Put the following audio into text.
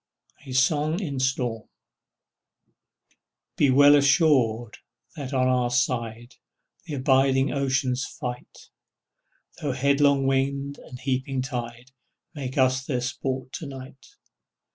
A SONG IN STORM Be well assured that on our side The abiding oceans fight, Though headlong wind and heaping tide Make us their sport to night.